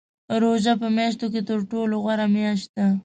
روژه په میاشتو کې تر ټولو غوره میاشت ده .